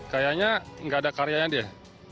kayaknya nggak ada karyanya dia